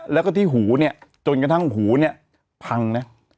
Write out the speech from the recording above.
แล้วก็ที่หูเนี่ยจนกระทั่งหูเนี่ยพังนะ